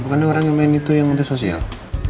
bukannya orang yang main itu yang menteri sosial